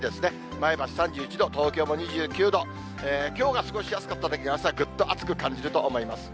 前橋３１度、東京も２９度、きょうが過ごしやすかっただけに、あすはぐっと暑く感じると思います。